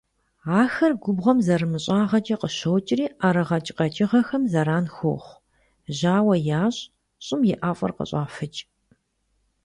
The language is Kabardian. Ахэр губгъуэм зэрымыщӀагъэкӀэ къыщокӀри ӀэрыгъэкӀ къэкӀыгъэхэм зэран хуохъу, жьауэ ящӀ, щӀым и ӀэфӀыр къыщӀафыкӀ.